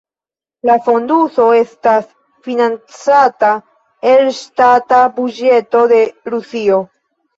La fonduso estas financata el ŝtata buĝeto de Rusio.